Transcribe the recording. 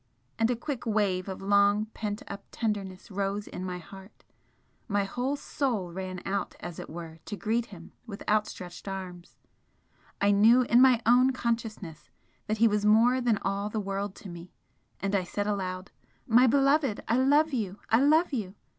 And a quick wave of long pent up tenderness rose in my heart my whole soul ran out, as it were, to greet him with outstretched arms I knew in my own consciousness that he was more than all the world to me, and I said aloud: "My beloved, I love you! I love you!"